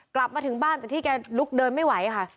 กลับมาถึงบ้านจากที่แกลุกเดินไม่ไหวค่ะ